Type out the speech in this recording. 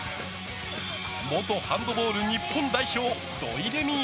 元ハンドボール日本代表土井レミイ